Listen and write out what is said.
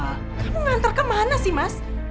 kamu ngantar kemana sih mas